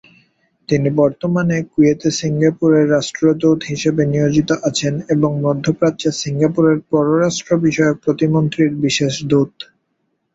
তিনি বর্তমানে কুয়েতে সিঙ্গাপুরের রাষ্ট্রদূত হিসেবে নিয়োজিত আছেন এবং মধ্যপ্রাচ্যে, সিঙ্গাপুরের পররাষ্ট্র বিষয়ক প্রতিমন্ত্রীর বিশেষ দূত।